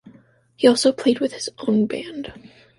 He also played with his own band.